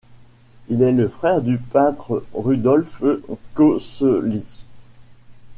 Il est le frère du peintre Rudolf Köselitz.